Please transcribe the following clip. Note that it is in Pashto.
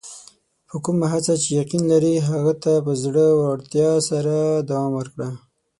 په کومه هڅه چې یقین لرې، هغه ته په زړۀ ورتیا سره دوام ورکړه.